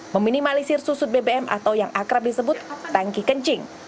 meminimalisir susut bbm atau yang akrab disebut tanki kencing